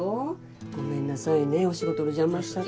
ごめんなさいねお仕事の邪魔しちゃって。